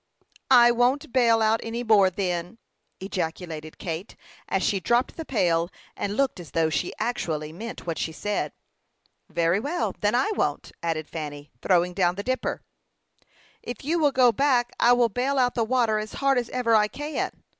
"I won't bale out any more then," ejaculated Kate, as she dropped the pail, and looked as though she actually meant what she said. "Very well; then I won't," added Fanny, throwing down the dipper. "If you will go back, I will bale out the water as hard as ever I can."